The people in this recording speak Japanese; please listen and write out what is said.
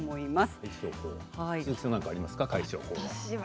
鈴木さん何かありますか解消法。